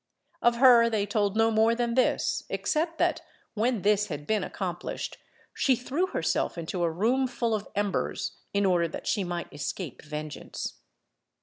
Of her they told no more than this, except that, when this had been accomplished, she threw herself into a room full of embers, in order that she might escape vengeance.